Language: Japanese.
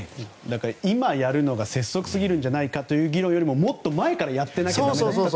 今やるのが拙速すぎるんじゃないかという議論よりももっと前からやっておかなきゃいけなかったと。